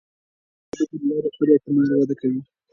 ماشومان د لوبو له لارې خپل اعتماد وده کوي.